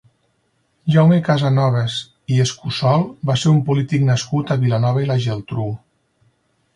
Jaume Casanovas i Escussol va ser un polític nascut a Vilanova i la Geltrú.